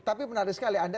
tapi menarik sekali